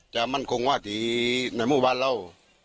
จะมั่นคงว่ากินอ่านโมบาลเรา